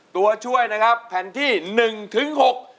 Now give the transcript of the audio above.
ตัวช่วยนะครับแผ่นที่๑ถึง๖